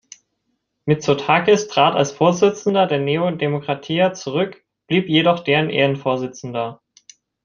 Mitsotakis trat als Vorsitzender der Nea Dimokratia zurück, blieb jedoch deren Ehrenvorsitzender.